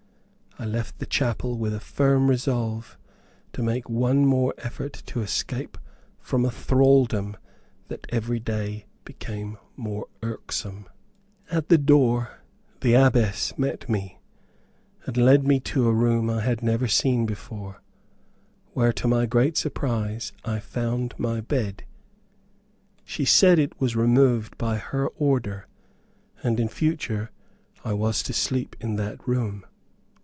I left the chapel with a firm resolve to make one more effort to escape from a thraldom that everyday became more irksome. At the door the Abbess met me, and led me to a room I had never seen before, where, to my great surprise, I found my bed. She said it was removed by her order, and in future I was to sleep in that room.